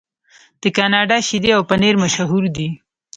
د کاناډا شیدې او پنیر مشهور دي.